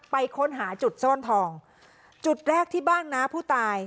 ไปค้นหาจุดซ่อนทองจุดแรกที่บ้านน้าผู้ตาย